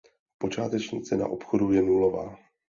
Počáteční cena obchodů je nulová.